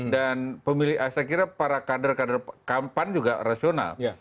dan pemilih saya kira para kader kader pan juga rasional